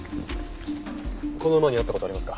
この馬に会った事ありますか？